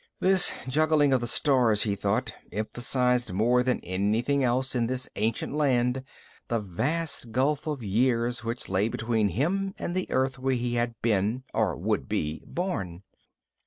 This juggling of the stars, he thought, emphasized more than anything else in this ancient land the vast gulf of years which lay between him and the Earth where he had been or would be born.